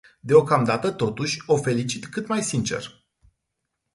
Deocamdată totuși o felicit cât mai sincer.